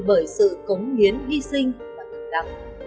bởi sự cống hiến hy sinh và tự động